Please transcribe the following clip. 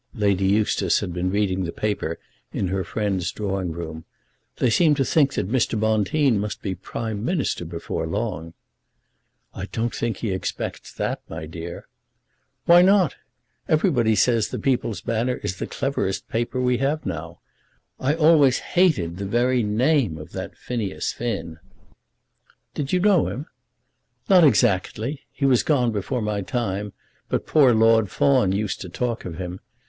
Lady Eustace had been reading the paper in her friend's drawing room. "They seem to think that Mr. Bonteen must be Prime Minister before long." [Illustration: "They seem to think that Mr. Bonteen must be Prime Minister."] "I don't think he expects that, my dear." "Why not? Everybody says The People's Banner is the cleverest paper we have now. I always hated the very name of that Phineas Finn." "Did you know him?" "Not exactly. He was gone before my time; but poor Lord Fawn used to talk of him.